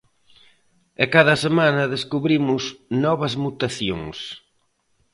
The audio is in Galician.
E cada semana descubrimos novas mutacións.